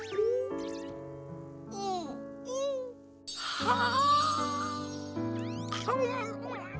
はあ！